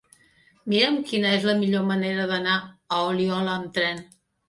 Mira'm quina és la millor manera d'anar a Oliola amb tren.